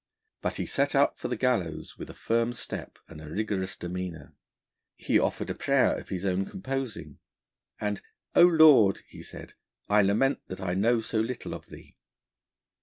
But he set out for the gallows with a firm step and a rigorous demeanour. He offered a prayer of his own composing, and 'O Lord,' he said, 'I lament that I know so little of Thee.'